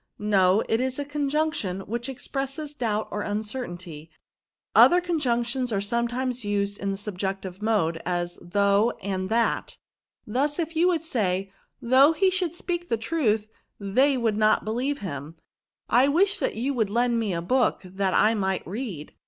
^* No ; it Is a conjimction which expresses doubt or uncertainty ; other conjunctions are isbnletimes used iii the subjunctive ihode^ as though and thaL Thus you would say^ ^ Though he should speak the truths they would not believe him ;'' I wish you would lend me a book, that I might read.'"